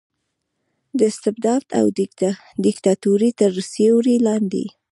د استبداد او دیکتاتورۍ تر سیورې لاندې